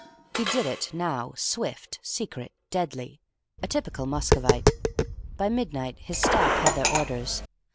He did it now swift, secret, deadly a typical Muscovite. By midnight his staff had their orders.